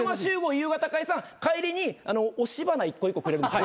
夕方解散帰りに押し花１個１個くれるんです。